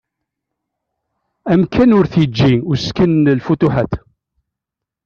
Amkan ur t-yeǧǧi usekkin n “lfutuḥat”.